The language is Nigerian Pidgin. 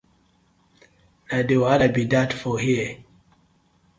Na de wahala bi dat for here.